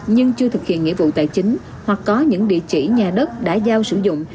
nhưng chưa thực hiện nghĩa vụ tài chính hoặc có những địa chỉ nhà đất đã giao sử dụng